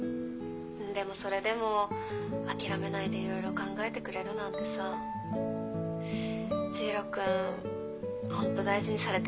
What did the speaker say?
でもそれでも諦めないで色々考えてくれるなんてさ知博君ホント大事にされてるんだね。